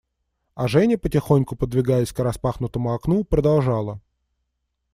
А Женя, потихоньку подвигаясь к распахнутому окну, продолжала.